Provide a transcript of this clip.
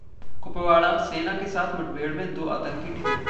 कुपवाड़ा: सेना के साथ मुठभेड़ में दो आतंकी ढेर